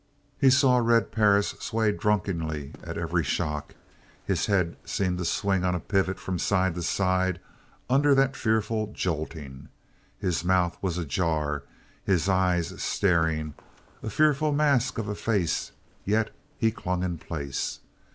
He saw Red Perris sway drunkenly at every shock; his head seemed to swing on a pivot from side to side under that fearful jolting his mouth was ajar, his eyes staring, a fearful mask of a face; yet he clung in place.